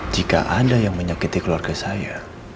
jika ada yang menyakiti keluarga saya